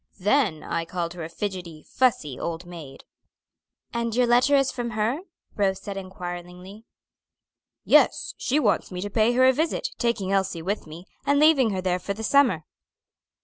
Then I called her a fidgety, fussy old maid." "And your letter is from her?" Rose said inquiringly. "Yes; she wants me to pay her a visit, taking Elsie with me, and leaving her there for the summer."